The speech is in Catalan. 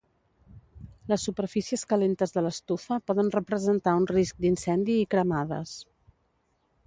Les superfícies calentes de l'estufa poden representar un risc d'incendi i cremades.